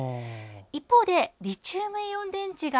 一方で、リチウムイオン電池が